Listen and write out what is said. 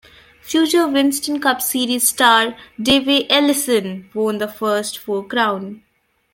Future Winston Cup Series star Davey Allison won the first Four Crown.